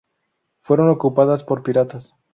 Fueron ocupadas por piratas.